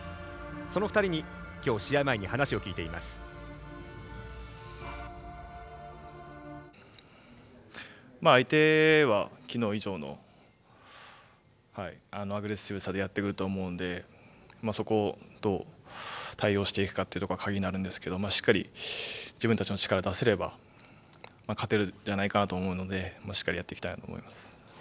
その２人にきょう、試合前に相手は、きのう以上のアグレッシブさでやってくると思うのでそこを、どう対応していくかっていうとこが鍵になるんですけどしっかり自分たちの力出せれば勝てるんじゃないかなと思うのでしっかりやっていきたいなと思います。